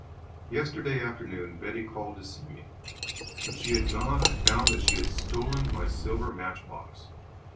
Yesterday afternoon Betty called to see me. When she had gone I found that she had stolen my silver matchbox."